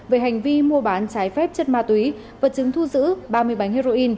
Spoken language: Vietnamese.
về hành vi mua bán trái phép chất ma túy vật chứng thu giữ ba mươi bánh heroin